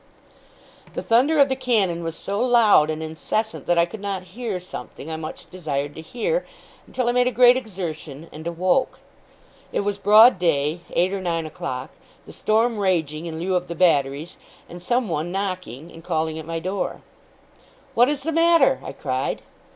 The thunder of the cannon was so loud and incessant, that I could not hear something I much desired to hear, until I made a great exertion and awoke. It was broad day eight or nine o'clock; the storm raging, in lieu of the batteries; and someone knocking and calling at my door. 'What is the matter?' I cried.